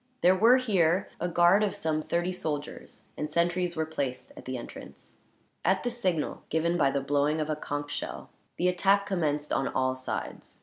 There were, here, a guard of some thirty soldiers, and sentries were placed at the entrance. At the signal, given by the blowing of a conch shell, the attack commenced on all sides.